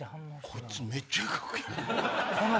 こいつめっちゃ動くやん。